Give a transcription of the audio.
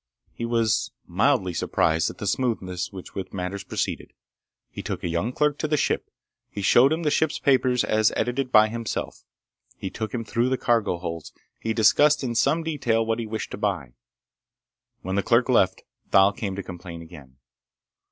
He was mildly surprised at the smoothness with which matters proceeded. He took a young clerk to the ship. He showed him the ship's papers as edited by himself. He took him through the cargo holds. He discussed in some detail what he wished to buy. When the clerk left, Thal came to complain again.